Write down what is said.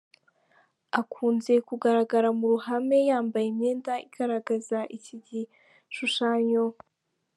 Akunze kugaragara mu ruhame yambaye imyenda igaragaza iki gishushanyo.